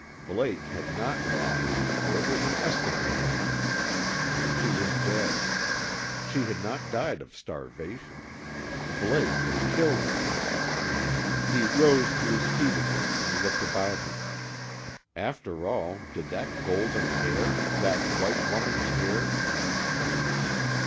Blake had not lied, for it was an Eskimo woman. She was dead. She had not died of starvation. Blake had killed her! He rose to his feet again and looked about him. After all, did that golden hair, that white woman's hair, mean nothing?